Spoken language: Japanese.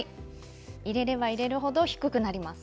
入れれば入れるほど低くなります。